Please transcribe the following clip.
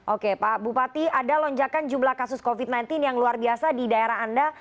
oke pak bupati ada lonjakan jumlah kasus covid sembilan belas yang luar biasa di daerah anda